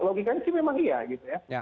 logikanya sih memang iya gitu ya